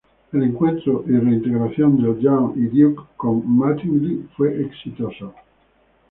El encuentro y reintegración del Young y Duke con Mattingly fue exitoso.